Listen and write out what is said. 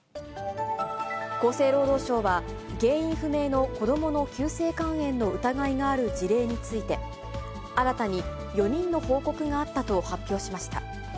厚生労働省は、原因不明の子どもの急性肝炎の疑いがある事例について、新たに４人の報告があったと発表しました。